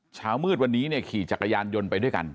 เช้ามืดวันนี้เนี่ยขี่จักรยานยนต์ไปด้วยกัน